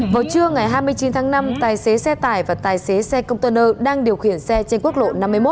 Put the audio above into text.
vào trưa ngày hai mươi chín tháng năm tài xế xe tải và tài xế xe công tân ơ đang điều khiển xe trên quốc lộ năm mươi một